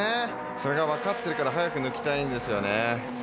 それがわかってるから早く抜きたいんですよね。